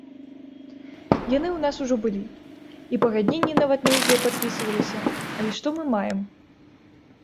Яны ў нас ужо былі, і пагадненні нават нейкія падпісваліся, але што мы маем?